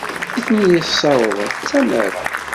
I ten-yessawḍen d tamara.